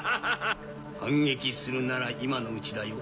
反撃するなら今のうちだよ。